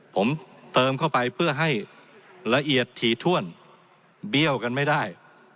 ผมเติมเข้าไปเพื่อให้ละเอียดถี่ถ้วนเบี้ยวกันไม่ได้